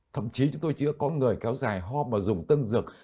thậm chí chúng tôi chưa có người kéo dài ho mà dùng tân dược